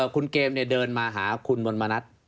คุณเกมเดินมาหาคุณมณมณัฐ